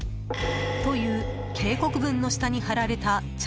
という警告文の下に貼られた茶